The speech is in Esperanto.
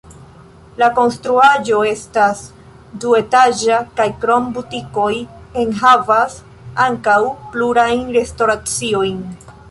La konstruaĵo estas duetaĝa kaj krom butikoj enhavas ankaŭ plurajn restoraciojn.